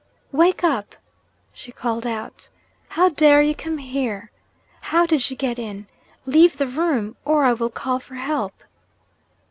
'Wake up!' she called out. 'How dare you come here? How did you get in? Leave the room or I will call for help!'